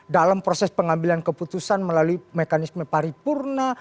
dalam proses pengambilan keputusan melalui mekanisme paripurna